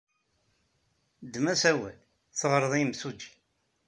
Ddem asawal, teɣred i yimsujji.